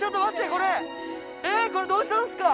これどうしたんですか？